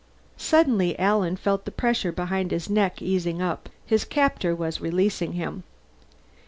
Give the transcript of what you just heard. Suddenly Alan felt the pressure behind his neck easing up. His captor was releasing him.